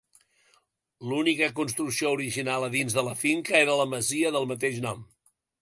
L'única construcció original a dins de la finca era la masia del mateix nom.